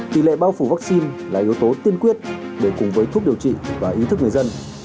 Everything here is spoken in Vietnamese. tỷ lệ bao phủ vaccine là yếu tố tiên quyết để cùng với thuốc điều trị và ý thức người dân